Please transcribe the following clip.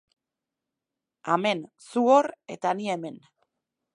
Amen, zu hor eta ni hemen.